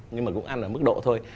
nhưng mà cũng ăn ở mức độ thôi